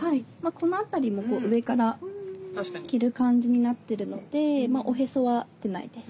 この辺りも上から着る感じになってるのでおへそは出ないです。